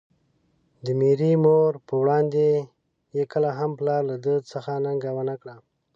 د ميرې مور په وړاندې يې کله هم پلار له ده څخه ننګه ونکړه.